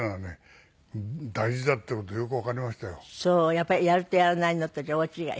やっぱりやるとやらないのとじゃ大違い？